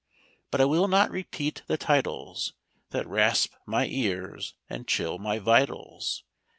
But I will not repeat the titles That rasp my ears and chill my vitals.